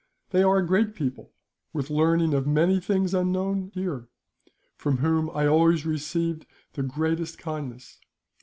They are a great people, with learning of many things unknown here, from whom I always received the greatest kindness.